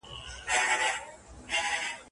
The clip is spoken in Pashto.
جهاني زما په قسمت نه وو دا ساعت لیکلی